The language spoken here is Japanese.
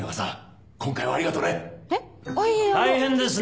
大変ですね